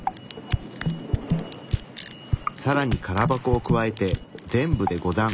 さらに空箱を加えて全部で５段。